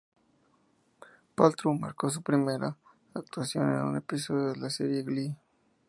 Paltrow marcó su primera actuación en un episodio de la serie "Glee".